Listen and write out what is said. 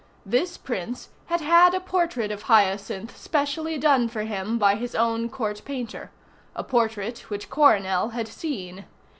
This Prince had had a portrait of Hyacinth specially done for him by his own Court Painter, a portrait which Coronel had seen.